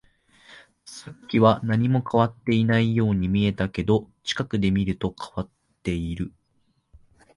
さっきは何も変わっていないように見えたけど、近くで見ると変わっている